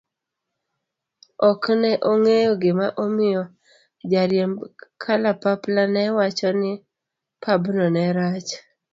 okne ong'eyo gima omiyo ja riemb kalapapla ne wacho ni pabno ne rach.